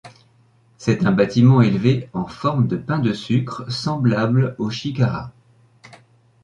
C'est un bâtiment élevé en forme de pain de sucre, semblable aux shikharas.